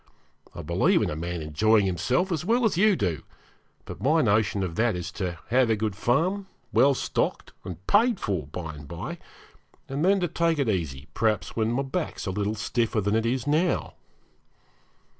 I believe in a man enjoying himself as well as you do, but my notion of that is to have a good farm, well stocked and paid for, by and by, and then to take it easy, perhaps when my back is a little stiffer than it is now.'